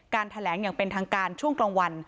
แถลงอย่างเป็นทางการช่วงกลางวัน